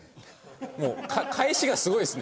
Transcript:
もう返しがすごいですね！